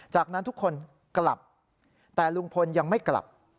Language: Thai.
จากนั้นทุกคนกลับแต่ลุงพลยังไม่กลับ